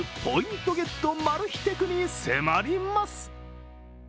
ポイントゲットマル秘テクに迫ります。